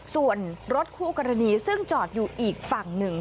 ส่วนรถคู่กรณีซึ่งจอดอยู่อีกฝั่งหนึ่ง